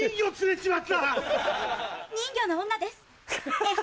人魚の女です。